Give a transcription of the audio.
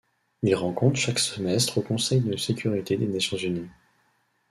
Il rend compte chaque semestre au Conseil de sécurité des Nations unies.